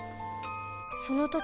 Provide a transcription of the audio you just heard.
その時